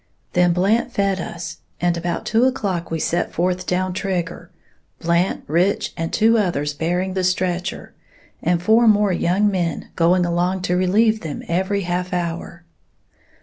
Then Blant fed us; and about two o'clock we set forth down Trigger, Blant, Rich and two others bearing the stretcher, and four more young men going along to relieve them every half hour.